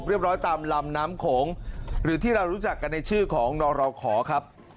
ร้อยตามลำน้ำโขงหรือที่เรารู้จักกันในชื่อของนรขอครับ